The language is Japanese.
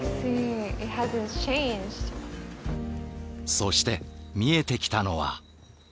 そして見えてきたのは。